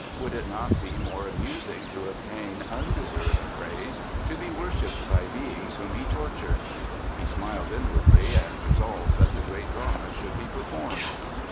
Would it not be more amusing to obtain undeserved praise, to be worshiped by beings whom he tortured? He smiled inwardly, and resolved that the great drama should be performed.